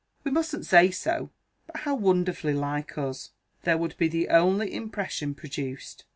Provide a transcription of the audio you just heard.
'We mustn't say so, but how wonderfully like us!' There would be the only impression produced.